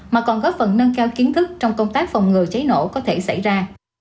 mà còn góp phần nâng cao kiến thức trong công tác phòng ngừa cháy nổ có thể xảy ra